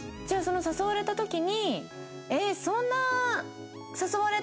じゃあその誘われた時に「えそんな」。